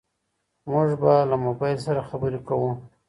موږ به له موبايل سره خبرې کوو.